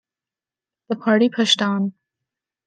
The party pushed on.